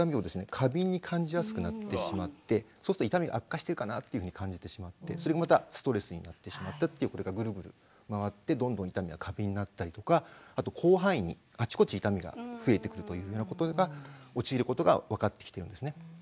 過敏に感じやすくなってしまってそうすると痛みが悪化してるかなっていうふうに感じてしまってそれがまたストレスになってしまってっていうこれがぐるぐる回ってどんどん痛みが過敏になったりとかあと広範囲にあちこち痛みが増えてくるというようなことが陥ることが分かってきているんですね。